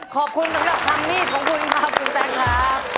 ขอบคุณสำหรับคำมีดของคุณครับคุณแซคครับ